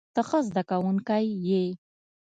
ته ښه زده کوونکی یې.